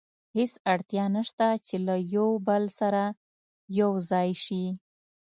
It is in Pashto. هېڅ اړتیا نه شته چې له یو بل سره یو ځای شي.